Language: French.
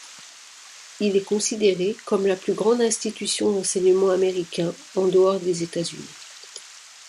Il est considéré comme la plus grande institution d’enseignement américain en dehors des États-Unis.